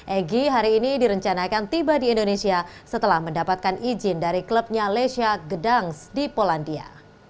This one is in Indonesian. egy hari ini direncanakan tiba di indonesia setelah mendapatkan izin dari klubnya lesia gedangs di polandia